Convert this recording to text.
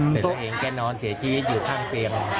เดี๋ยวจะเห็นแก่นอนเสียชีวิตอยู่ข้างเตรียม